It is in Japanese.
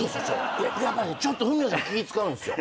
やっぱねちょっとフミヤさん気ぃ使うんですよ。